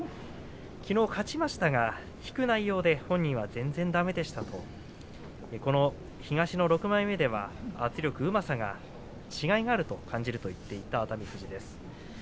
きのう勝ちましたが引く内容で本人は全然だめでしたとこの東の６枚目では、圧力うまさが違いがあると感じると言っていた熱海富士です。